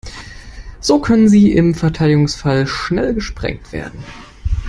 So können sie im Verteidigungsfall schnell gesprengt werden.